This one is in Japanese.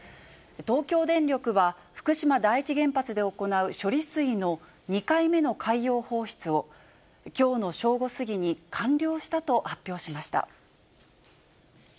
東京電力は、福島第一原発で行う処理水の２回目の海洋放出を、きょうの正午過ぎに完了したと発表しました。